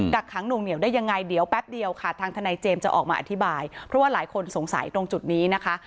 กักขังหน่วงเหนียวได้ยังไงเดี๋ยวแป๊บเดียวค่ะทางทนายเจมส์จะออกมาอธิบายเพราะว่าหลายคนสงสัยตรงจุดนี้นะคะ